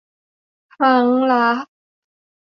ครั้งละ